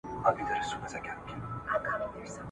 د توپانه ډکي وريځي ..